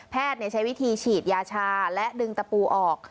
ใช้วิธีฉีดยาชาและดึงตะปูออก